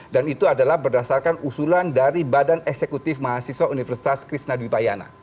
dan itu adalah berdasarkan usulan dari badan eksekutif mahasiswa universitas kris nadwi payana